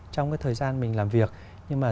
trong cái thời gian mình làm việc nhưng mà